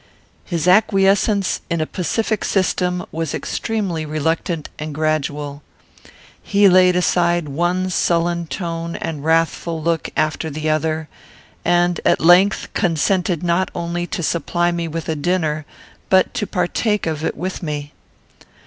His acquiescence in a pacific system was extremely reluctant and gradual. He laid aside one sullen tone and wrathful look after the other; and, at length, consented not only to supply me with a dinner, but to partake of it with me.